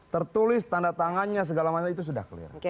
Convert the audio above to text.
tertulis tanda tangannya segala macam itu sudah clear